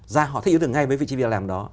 ra họ thích yếu tưởng ngay với vị trí việc làm đó